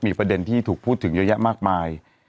มีประเด็นที่ถูกพูดถึงเยอะแยะมากมาย